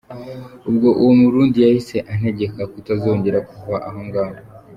Ubwo uwo murundi yahise antegeka kutazongera kuva aho ngaho.